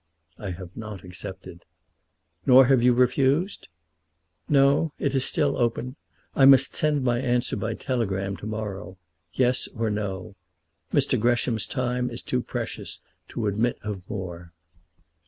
"I have not accepted." "Nor have you refused?" "No; it is still open. I must send my answer by telegram to morrow Yes or No, Mr. Gresham's time is too precious to admit of more."